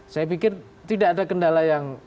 saya pikir tidak ada kendala yang